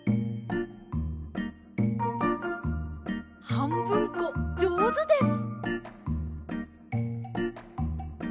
はんぶんこじょうずです！